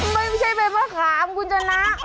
ไม่ใช่ใบมะขาบกุญจนะ